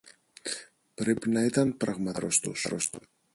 Πρέπει να ήταν πραγματικά άρρωστος